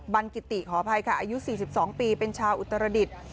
ันกิติขออภัยค่ะอายุ๔๒ปีเป็นชาวอุตรดิษฐ์